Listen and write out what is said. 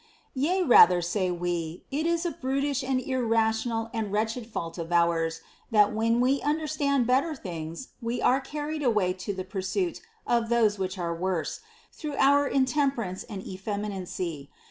* Yea, rather, say we, it is a brutish and irrational and wretched fault of ours, that when we understand better things, we are carried away to the pursuit of those which are worse, through our intemperance and effeminacy.